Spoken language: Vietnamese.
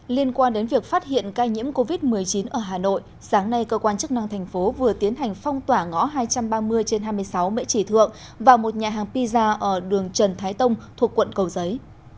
liên quan đến việc phát hiện ca nhiễm covid một mươi chín ở hà nội sáng nay cơ quan chức năng thành phố vừa tiến hành phong tỏa ngõ hai trăm ba mươi trên hai mươi sáu mễ trì thượng vào một nhà hàng pizza ở đường trần thái tông thuộc quận cầu giấy